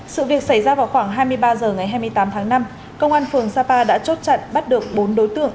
sự việc xảy ra vào khoảng hai mươi ba h ngày hai mươi tám tháng năm công an phường sapa đã chốt chặn bắt được bốn đối tượng